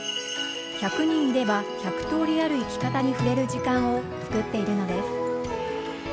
１００人いれば１００通りある生き方に触れる時間を作っているのです。